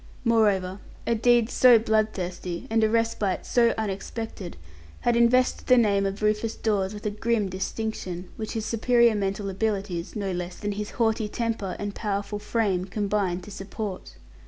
Moreover, a deed so bloodthirsty and a respite so unexpected, had invested the name of Rufus Dawes with a grim distinction, which his superior mental abilities, no less than his haughty temper and powerful frame, combined to support.